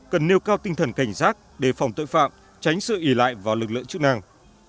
cần nêu cao tinh thần cảnh giác đề phòng tội phạm tránh sự ỉ lại vào lực lượng chức năng